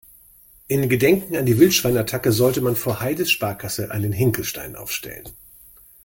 In Gedenken an die Wildschwein-Attacke sollte man vor Heides Sparkasse einen Hinkelstein aufstellen.